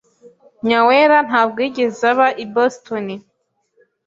Nyawera ntabwo yigeze aba i Boston.